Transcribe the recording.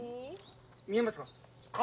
見えますか？